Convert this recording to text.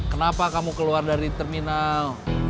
kenapa kamu keluar dari terminal